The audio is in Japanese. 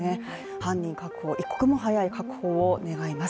犯人確保、一刻も早い確保を願います。